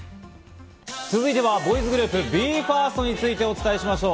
続いてはボーイズグループ、ＢＥ：ＦＩＲＳＴについてお伝えしましょう。